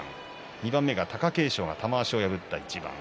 ２番目が貴景勝が玉鷲を破った一番。